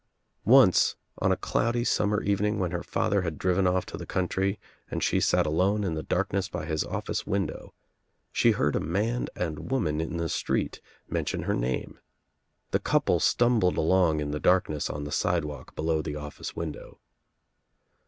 Once, on a cloudy summer evening when her father had driven off to the country and she sat alone In the larkness by his office window, she heard a man and 74 THE TRIUMPH OF THE EGG woman in the street mention her name. The couple stumbled along in the darkness on the sidewalk below the oiBce window.